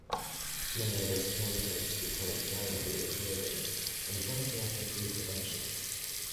Many of his paintings became known through engravings and photographic reproductions.